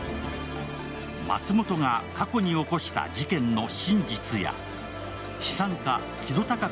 松本が過去に起こした事件の真実や資産家・木戸タカ